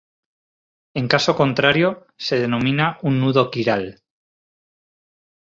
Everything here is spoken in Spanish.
En caso contrario, se denomina un nudo quiral.